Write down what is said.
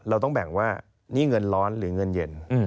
เราต้องแบ่งว่านี่เงินร้อนหรือเงินเย็น